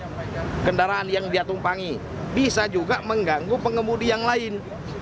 pengendaraan yang dia tumpangi bisa juga mengganggu pengebudi yang lain